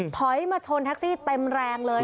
ถอยมาชนแท็กซี่เต็มแรงเลย